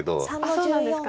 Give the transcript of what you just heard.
そうなんですか。